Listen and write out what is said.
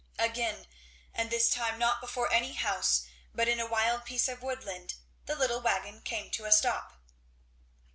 Again, and this time not before any house but in a wild piece of woodland, the little wagon came to a stop.